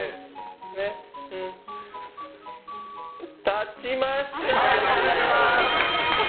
立ちました！